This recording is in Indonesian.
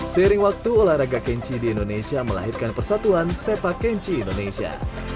seiring waktu olahraga kenji di indonesia melahirkan persatuan sepak kenji indonesia